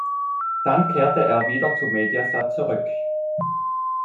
Dann kehrte er wieder zu Mediaset zurück.